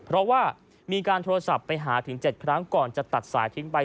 เพราะว่ามีการโทรศัพท์ไปหาถึง๗ครั้งก่อนจะตัดสายทิ้งไป